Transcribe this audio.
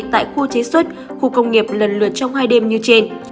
tại khu chế xuất khu công nghiệp lần lượt trong hai đêm như trên